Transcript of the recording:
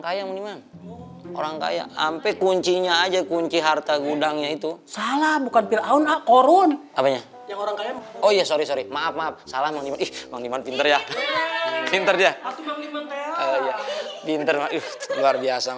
kaya mandiman orang kaya sampai kuncinya aja kunci harta gudangnya itu salah bukan fir'aun korun oh ya sorry maaf maaf salah mandiman pinter ya